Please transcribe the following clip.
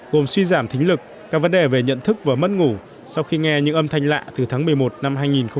gồm suy giảm thính lực các vấn đề về nhận thức và mất ngủ sau khi nghe những âm thanh lạ từ tháng một mươi một năm hai nghìn một mươi tám